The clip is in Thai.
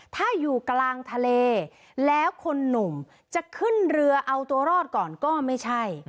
ถ้าอยู่กลางทะเลแล้วคนหนุ่มจะขึ้นเรือเอาตัวรอดก่อนก็ไม่ใช่